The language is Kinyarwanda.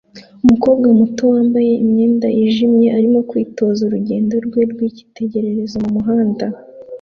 Umukobwa muto wambaye imyenda yijimye arimo kwitoza urugendo rwe rwicyitegererezo mumuhanda